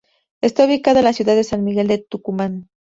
Está ubicada en la ciudad de San Miguel de Tucumán.